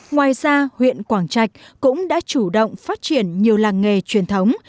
ngoài ra huyện quảng trạch cũng đã chủ động phát triển nhiều làng nghề truyền thống